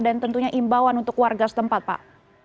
dan tentunya imbauan untuk warga setempat pak